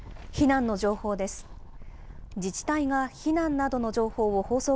避難の情報です。